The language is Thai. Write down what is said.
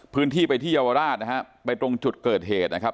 พื้นที่ไปที่เยาวราชนะฮะไปตรงจุดเกิดเหตุนะครับ